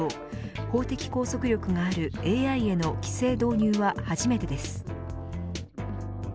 法的拘束力があるＡＩの規制導入は初めてです。